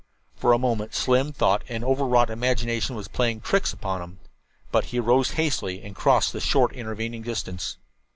For a moment Slim thought an over wrought imagination was playing tricks upon him. But he rose hastily and crossed the short intervening distance.